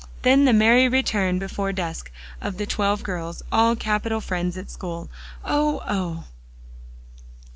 Then the merry return before dusk, of the twelve girls, all capital friends at school! Oh oh!